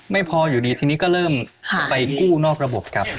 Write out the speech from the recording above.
ไม่พออยู่ดีทีนี้ก็เริ่มไปกู้นอกระบบครับ